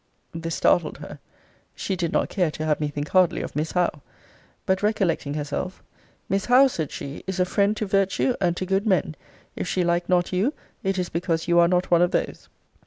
This startled her. She did not care to have me think hardly of Miss Howe. But recollecting herself, Miss Howe, said she, is a friend to virtue, and to good men. If she like not you, it is because you are not one of those.